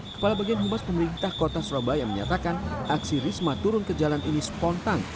kepala bagian humas pemerintah kota surabaya menyatakan aksi risma turun ke jalan ini spontan